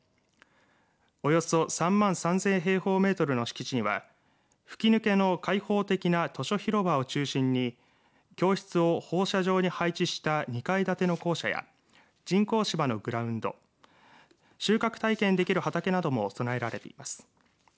およそ３万３０００平方メートルの敷地には吹き抜けの開放的な図書ひろばを中心に教室を放射状に配置した２階建ての校舎や人工芝のグラウンド収穫体験できる畑なども備えられています。